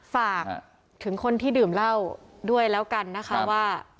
ฝากถึงคนที่ดื่มเหล้าด้วยแล้วกันนะคะว่า